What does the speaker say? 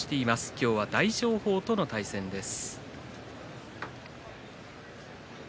今日は大翔鵬との対戦です。